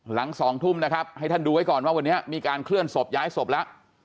หลัง๒ทุ่มนะครับให้ท่านดูไว้ก่อนว่าวันนี้มีการเคลื่อนศพย้ายศพแล้ว